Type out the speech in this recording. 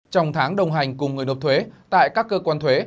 trong tháng đồng hành cùng người nộp thuế tại các cơ quan thuế